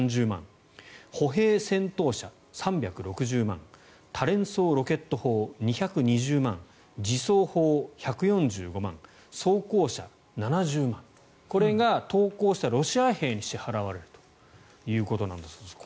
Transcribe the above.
歩兵戦闘車３６０万円多連装ロケット砲２２０万円自走砲、１４５万円装甲車、７０万円これが投降したロシア兵に支払われるということなんだそうです。